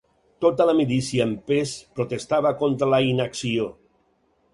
Tota la milícia en pes protestava contra la inacció